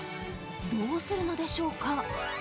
どうするのでしょうか？